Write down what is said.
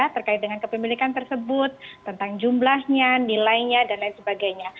terkait dengan kepemilikan tersebut tentang jumlahnya nilainya dan lain sebagainya